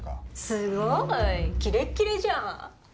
すごいキレッキレじゃん